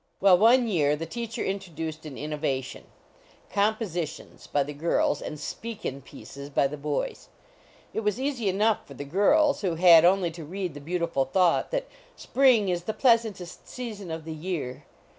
Well, one year the Teacher introduced an innovation; "compositions" by the girls and "speakin pieces" by the boys. It was easy enough for the girls, who had only to read the beautiful thought that "spring is the pleasantest season of the year."